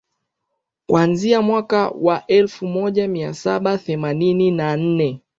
kuanzia mwaka elfu moja mia saba themanini na nne